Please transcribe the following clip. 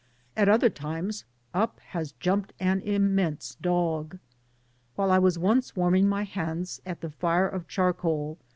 — at other times up has jumped an immense dog ! While 1 was once warming my hands at the fire of charcoal.